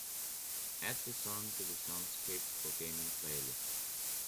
Add the song to the soundscapes for gaming playlist.